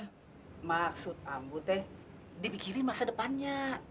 maksud ambo teh dipikirin masa depannya